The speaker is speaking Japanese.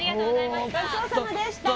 ごちそうさまでした。